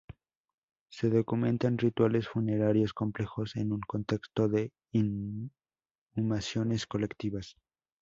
Se documentan rituales funerarios complejos, en un contexto de inhumaciones colectivas.